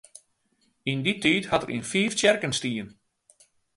Yn dy tiid hat er yn fiif tsjerken stien.